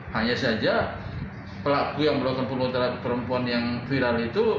hanya saja pelaku yang melakukan pembunuhan terhadap perempuan yang viral itu